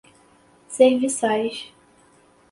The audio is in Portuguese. serviçais